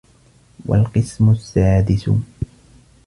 وَالْقِسْمُ السَّادِسُ